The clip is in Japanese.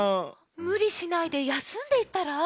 むりしないでやすんでいったら？